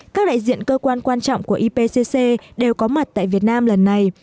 các đại diện cơ quan quan trọng của ipc đều có mặt tại việt nam lần này